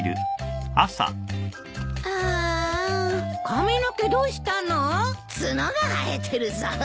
髪の毛どうしたの？角が生えてるぞ。